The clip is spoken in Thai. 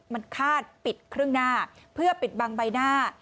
มันคาดปิดครึ่งหน้าเพื่อปิดบังใบหน้า